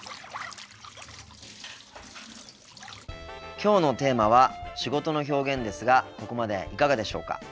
今日のテーマは「仕事の表現」ですがここまでいかがでしょうか？